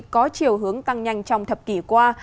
có chiều hướng tăng nhanh trong thập kỷ qua